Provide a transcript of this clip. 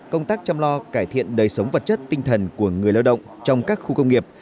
công tác chăm lo cải thiện đời sống vật chất tinh thần của người lao động trong các khu công nghiệp